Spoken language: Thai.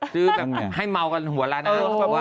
ซื้อแบบให้เมากันหัวละนะ